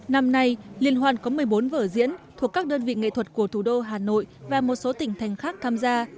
năm nay liên hoan có một mươi bốn vở diễn thuộc các đơn vị nghệ thuật của thủ đô hà nội và một số tỉnh thành khác tham gia